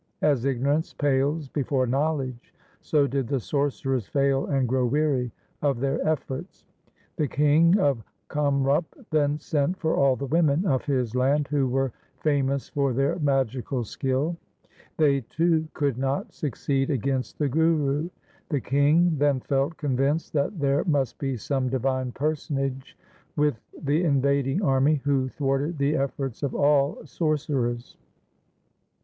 As ignorance pales before knowledge, so did the sorcerers fail and grow weary of their efforts. The king of Kamrup then sent for all the women of his land who were famous for their magical skill. They too could not succeed against the Guru. The king then felt con vinced that there must be some divine personage with the invading army who thwarted the efforts of all sorcerers.